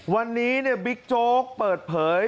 วันนี้บิ๊กโจ๊กเปิดเผย